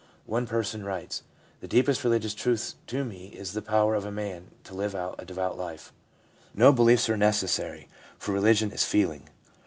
One person writes :' The deepest religious truth to me is the power of a man to live a devout life. No beliefs are necessary, for religion is feeling.'